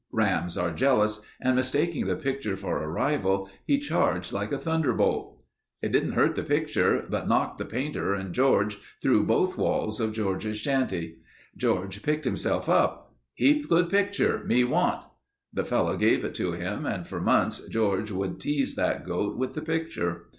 Rams are jealous and mistaking the picture for a rival, he charged like a thunderbolt. "It didn't hurt the picture, but knocked the painter and George through both walls of George's shanty. George picked himself up. 'Heap good picture. Me want.' The fellow gave it to him and for months George would tease that goat with the picture.